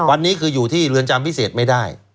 วันนี้คืออยู่ที่เรือนจำพิเศษไม่ได้